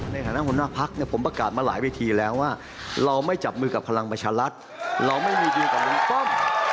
ในฐานะหัวหน้าพักเนี่ยผมประกาศมาหลายวิธีแล้วว่าเราไม่จับมือกับพลังประชารัฐเราไม่มีดีลกับลุงป้อม